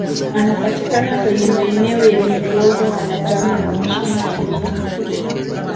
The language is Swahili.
anapatikana kwenye maeneo yenye uozo wa majani na mashina ya miti